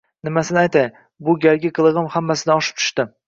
Nimasini aytay, bu galgi qilig‘im hammasidan oshib tushdi